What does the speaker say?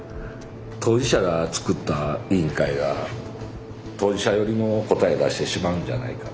当事者が作った委員会が当事者寄りの答え出してしまうんじゃないかと。